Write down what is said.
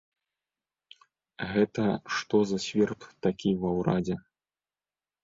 Гэта што за сверб такі ва ўрадзе?